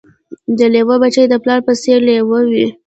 د لېوه بچی د پلار په څېر لېوه وي